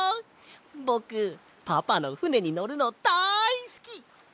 ぼくパパのふねにのるのだいすき！